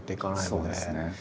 そうですね。